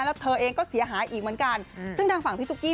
แล้วเธอเองก็เสียหายอีกเหมือนกันซึ่งทางฝั่งพี่ตุ๊กกี